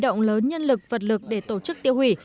động lớn nhân lực vật lực để tổ chức tiêu hủy